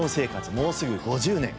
もうすぐ５０年。